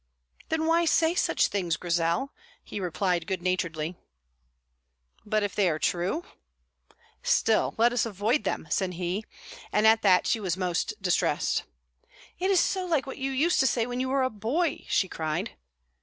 "Then why say such things, Grizel?" he replied good naturedly. "But if they are true?" "Still let us avoid them," said he; and at that she was most distressed. "It is so like what you used to say when you were a boy!" she cried.